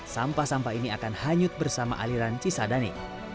sampah sampah ini akan hanyut bersama aliran cisadane